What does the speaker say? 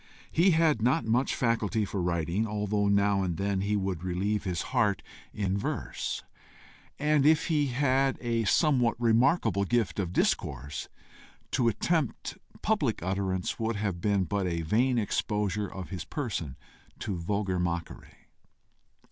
He had not much faculty for writing, although now and then he would relieve his heart in verse; and if he had a somewhat remarkable gift of discourse, to attempt public utterance would have been but a vain exposure of his person to vulgar mockery.